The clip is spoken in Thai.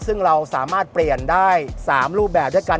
ซึ่งเราสามารถเปลี่ยนได้๓รูปแบบด้วยกัน